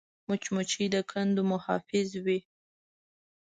مچمچۍ د کندو محافظ وي